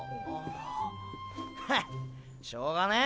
ハッしょうがねえ。